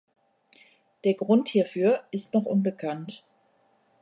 Der Grund hierfür ist noch unbekannt.